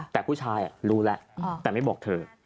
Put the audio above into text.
แต่ผู้ชายรู้แล้วแต่ไม่บอกเธอ